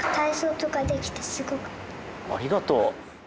ありがとう。